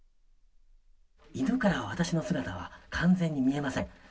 犬からは私の姿は完全に見えません。